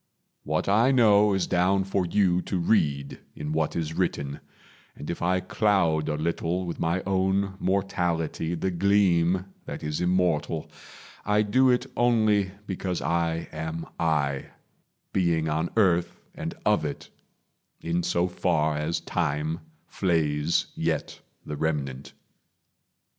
What I know Is down for you to read in what is written; And if I cloud a little with my own Mortality the gleam that is immortal, I do it only because I am I Being on earth and of it, in so far As time flays yet the remnant.